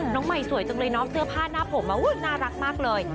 น้องใหม่สวยจังเลยน้องเสื้อผ้าหน้าผมน่ารักมากเลย